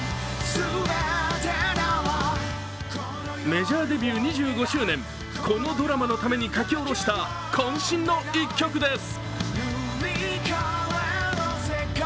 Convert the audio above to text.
メジャーデビュー２５周年、このドラマのために書き下ろしたこん身の一曲です。